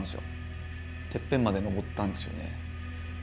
てっぺんまで登ったんですよね。